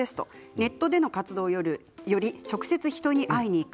ネットでの活動より直接、人に会いに行く。